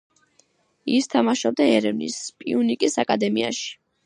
ის თამაშობდა ერევნის „პიუნიკის“ აკადემიაში.